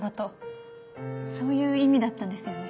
そういう意味だったんですよね。